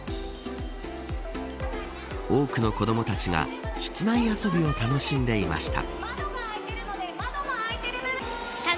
多くの子どもたちが室内遊びを楽しんでいました。